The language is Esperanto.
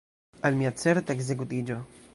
Al mia certa ekzekutiĝo!